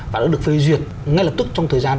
và đã được phê duyệt ngay lập tức trong thời gian